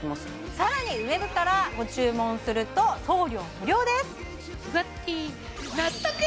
さらにＷＥＢからご注文すると送料無料です